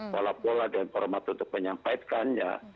pola pola dan format untuk menyampaikannya